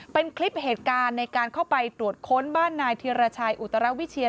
เป็นคลิปเหตุการณ์ในการเข้าไปตรวจค้นบ้านนายธิรชัยอุตรวิเชียน